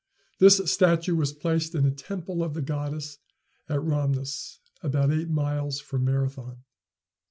This statue was placed in a temple of the goddess at Rhamnus, about eight miles from Marathon.